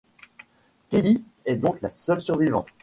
Kelli est donc la seule survivante.